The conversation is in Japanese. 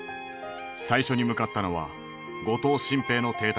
最初に向かったのは後藤新平の邸宅だった。